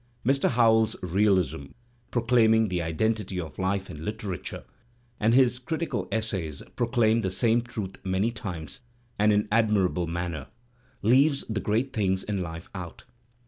Mr. Howells's realism, proclaiming the identity of life and literature (and his critical essays proclaim the same truth many times and in admirable manner), leaves the great things in life out.